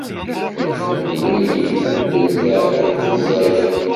Am win ibubben taɛkemt ẓẓayen.